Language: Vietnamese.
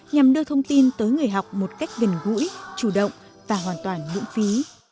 nhằm đưa thông tin tới người học một cách gần gũi chủ động và hoàn toàn miễn phí